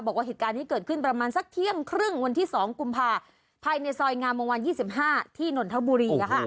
บอกว่าเหตุการณ์นี้เกิดขึ้นประมาณสักเที่ยงครึ่งวันที่๒กุมภาภายในซอยงามวงวัน๒๕ที่นนทบุรี